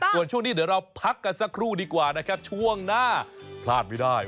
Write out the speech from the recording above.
ส่วนช่วงนี้เดี๋ยวเราพักกันสักครู่ดีกว่านะครับช่วงหน้าพลาดไม่ได้